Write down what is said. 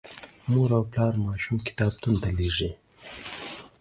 مور او پلار ماشوم کتابتون ته لیږي.